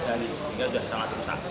sehingga sudah sangat rusak